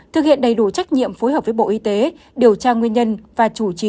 thực hiện đầy đủ trách nhiệm phối hợp với bộ y tế điều tra nguyên nhân và chủ trì